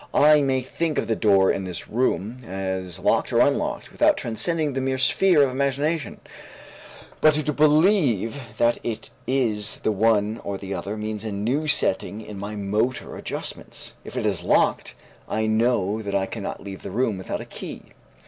I may think of the door of this room as locked or unlocked without transcending the mere sphere of imagination, but to believe that it is the one or the other means a new setting in my motor adjustments. If it is locked I know that I cannot leave the room without a key.